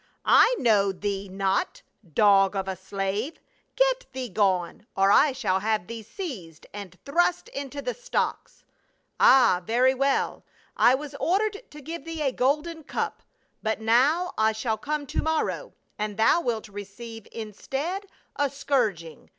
" I know thee not, dog of a slave ; get thee gone, or I shall have thee seized and thrust into the stocks." "Ah, very well. I was ordered to giv^e thee a golden cup, but now I shall come to morrow, and thou wilt receive, instead, a scourging.